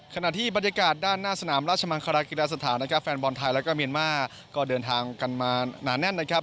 ขณะที่บรรยากาศด้านหน้าสนามราชมังคลากีฬาสถานนะครับแฟนบอลไทยแล้วก็เมียนมาร์ก็เดินทางกันมาหนาแน่นนะครับ